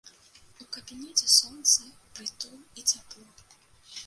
У кабінеце сонца, прытул і цяпло.